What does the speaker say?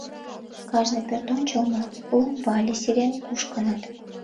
Кажне пӧрт ончылно ломбо але сирень кушкыныт.